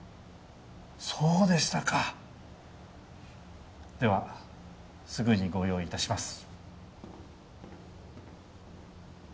そうでしたかではすぐにご用意いたします